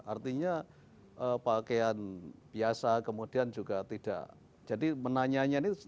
artinya pakaian biasa kemudian juga tidak jadikan penyelidikan itu yang harus diperlukan